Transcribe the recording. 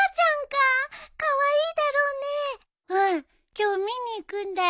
今日見に行くんだよ。